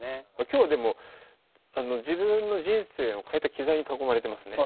今日はでも自分の人生を変えた機材に囲まれてますね。